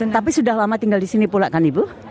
tapi sudah lama tinggal di sini pula kan ibu